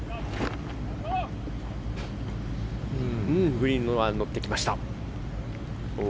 グリーンの上に乗ってきました。